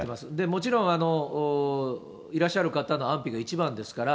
もちろん、いらっしゃる方の安否が一番ですから、